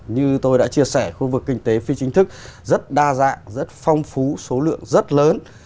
như tôi đã chia sẻ khu vực kinh tế phi chính thức rất đa dạng rất phong phú số lượng rất lớn